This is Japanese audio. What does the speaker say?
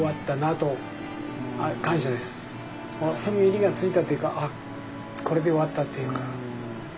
ふんぎりがついたというかあっこれで終わったというか。